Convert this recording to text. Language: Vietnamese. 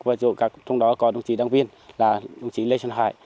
và chỗ các trong đó có đồng chí đăng viên là đồng chí lê trần hải